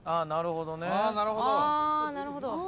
なるほど。